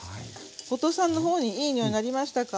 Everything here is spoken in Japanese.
後藤さんの方にいい匂いなりましたか？